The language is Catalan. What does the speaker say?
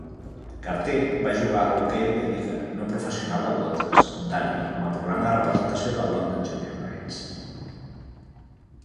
Carter va jugar a hoquei de lliga no professional a Londres, Ontario, amb el programa de representació de London Jr. Knights.